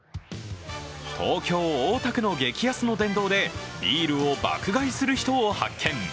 東京・大田区の激安の殿堂でビールを爆買いする人を発見。